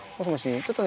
ちょっとね